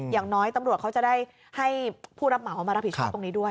อย่างน้อยตำรวจเขาจะได้ให้ผู้รับเหมามารับผิดชอบตรงนี้ด้วย